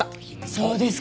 そうですか。